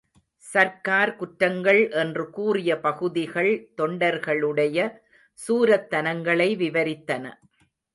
சர்க்கார் குற்றங்கள் என்று கூறிய பகுதிகள் தொண்டர்களுடைய சூரத்தனங்களை விவரித்தன.